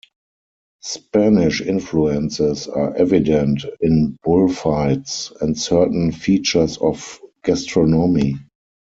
Spanish influences are evident in bullfights and certain features of gastronomy.